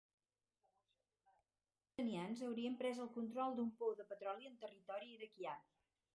Els soldats iranians haurien pres el control d'un pou de petroli en territori iraquià.